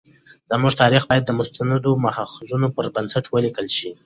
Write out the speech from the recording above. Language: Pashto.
زموږ تاریخ باید د مستندو مأخذونو پر بنسټ ولیکل شي.